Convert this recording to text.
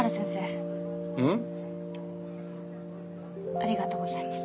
ありがとうございます。